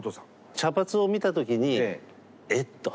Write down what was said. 茶髪を見た時に「えっ？」と。